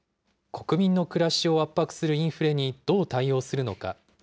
国民の暮らしを圧迫するインフレにどう対応するのか。